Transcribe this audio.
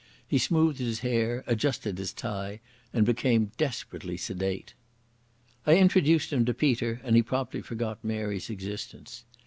He smoothed his hair, adjusted his tie and became desperately sedate. I introduced him to Peter and he promptly forgot Mary's existence.